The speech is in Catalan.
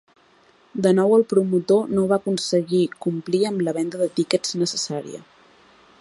De nou, el promotor no va aconseguir complir amb la venda de tickets necessària.